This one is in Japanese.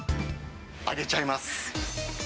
揚げちゃいます。